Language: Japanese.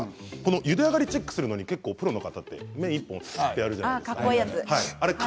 ゆで上がりをチェックするのにプロの方は１本、すするじゃないですか。